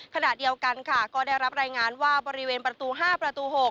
ขณะเดียวกันค่ะก็ได้รับรายงานว่าบริเวณประตู๕ประตู๖